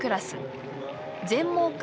全盲か